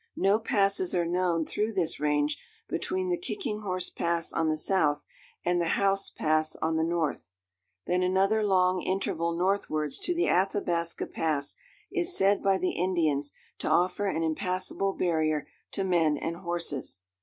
No passes are known through this range between the Kicking Horse Pass on the south and the Howse Pass on the north. Then another long interval northwards to the Athabasca Pass is said by the Indians to offer an impassable barrier to men and horses.